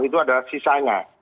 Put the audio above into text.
itu adalah sisanya